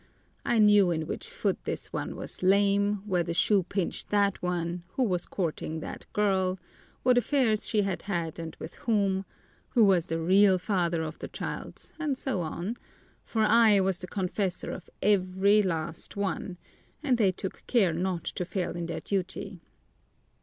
I knew in which foot this one was lame, where the shoe pinched that one, who was courting that girl, what affairs she had had and with whom, who was the real father of the child, and so on for I was the confessor of every last one, and they took care not to fail in their duty.